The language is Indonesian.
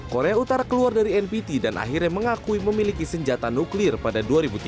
korea utara keluar dari npt dan akhirnya mengakui memiliki senjata nuklir pada dua ribu tiga belas